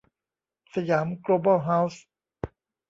สยามโกลบอลเฮ้าส์